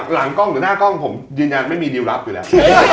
หลังกล้องหรือหน้ากล้องผมยืนยันไม่มีดิวรับอยู่แล้ว